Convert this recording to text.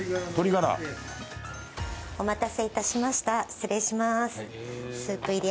失礼します。